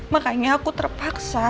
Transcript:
makanya aku terpaksa